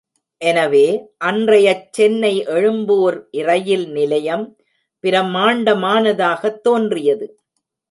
எனவே, அன்றையச் சென்னை எழும்பூர் இரயில் நிலையம் பிரம்மாண்டமானதாகத் தோன்றியது.